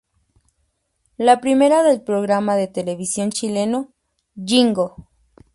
La primera del programa de televisión chileno "Yingo".